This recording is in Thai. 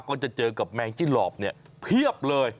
ก็จะเจอกับแมงจิ้นหลอบเนี่ยเพียบเลย